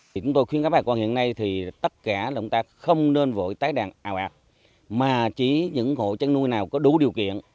chúng tôi khuyên các bà con hiện nay thì tất cả lộng tác không nên vội tái đàn ào ạc mà chỉ những hộ chăn nuôi nào có đủ điều kiện